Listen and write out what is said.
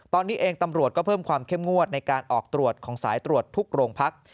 ตอนนี้เองตำรวจก็เพิ่มความเข้มงวดในการออกตรวจของสายตรวจทุกโรงพัก